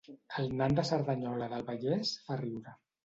El nan de Cerdanyola del Vallès fa riure